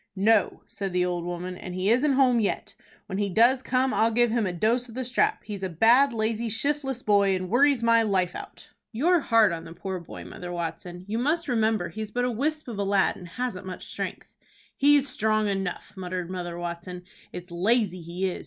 "No," said the old woman, "and he isn't home yet. When he does come I'll give him a dose of the strap. He's a bad, lazy, shiftless boy, and worries my life out." "You're hard on the poor boy, Mother Watson. You must remember he's but a wisp of a lad, and hasn't much strength." "He's strong enough," muttered Mother Watson. "It's lazy he is.